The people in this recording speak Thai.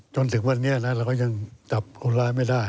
จนถึงวันนี้นะเราก็ยังจับคนร้ายไม่ได้